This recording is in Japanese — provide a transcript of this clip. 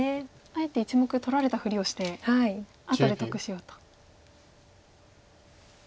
あえて１目取られたふりをしてあとで得しようと。